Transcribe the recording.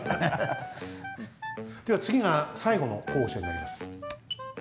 では次が最後の候補者になります。